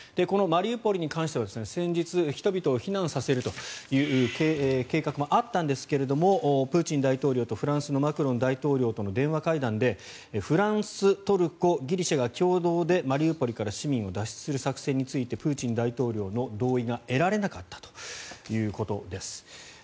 このマリウポリに関しては先日、人々を避難させるという計画もあったんですがプーチン大統領とフランスのマクロン大統領との電話会談でフランス、トルコ、ギリシャが共同でマリウポリから市民を脱出させる作戦についてプーチン大統領の同意が得られなかったということです。